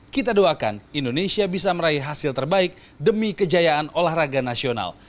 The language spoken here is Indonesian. kita doakan indonesia bisa meraih hasil terbaik demi kejayaan olahraga nasional